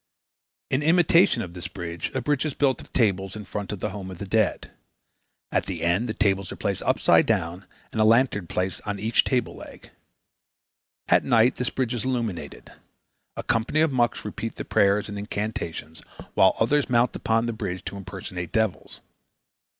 In imitation of this bridge a bridge is built of tables in front of the home of the dead. At the end the tables are placed upside down and a lantern placed on each table leg. At night this bridge is illuminated. A company of monks repeat their prayers and incantations, while others mount upon the bridge to impersonate devils.